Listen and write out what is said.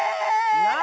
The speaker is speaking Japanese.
何？